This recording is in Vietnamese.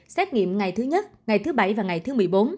xét nghiệm ngày thứ nhất ngày thứ bảy và ngày thứ một mươi bốn